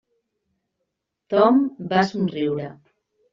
Tom va somriure.